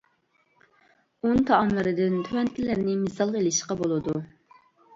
ئۇن تائاملىرىدىن تۆۋەندىكىلەرنى مىسالغا ئېلىشقا بولىدۇ.